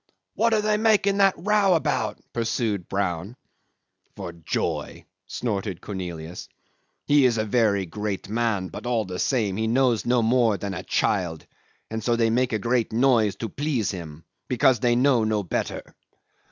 "What are they making that row about?" pursued Brown. "For joy," snorted Cornelius; "he is a very great man, but all the same, he knows no more than a child, and so they make a great noise to please him, because they know no better."